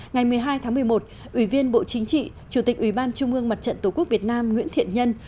ngày một mươi hai tháng một mươi một ủy viên bộ chính trị chủ tịch ủy ban trung ương mặt trận tổ quốc việt nam nguyễn thiện nhân